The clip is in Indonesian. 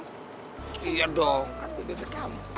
iya dong kan bebe kamu